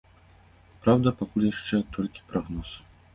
Праўда, пакуль гэта яшчэ толькі прагноз.